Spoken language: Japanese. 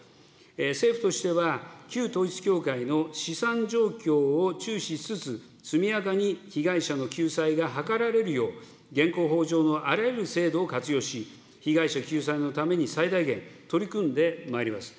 政府としては、旧統一教会の資産状況を注視しつつ、速やかに被害者の救済が図られるよう、現行法上のあらゆる制度を活用し、被害者救済のために最大限、取り組んでまいります。